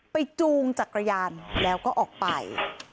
จูงจักรยานแล้วก็ออกไป